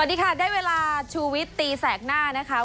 สวัสดีค่ะได้เวลาชูวิตตีแสกหน้านะคะ